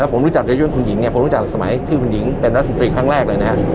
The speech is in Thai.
ผมรู้จักในช่วงคุณหญิงเนี่ยผมรู้จักสมัยชื่อคุณหญิงเป็นรัฐมนตรีครั้งแรกเลยนะครับ